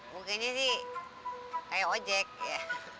mungkinnya sih kayak ojek ya